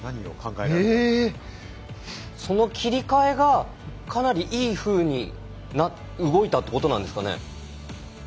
その切り替えがかなりいいふうに動いたってことなんですかね。